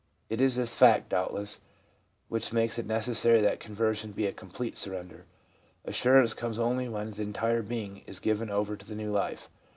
It is this fact, doubtless, which makes it necessary that conversion be a complete surrender; assurance comes only when the entire being is given over to the new life.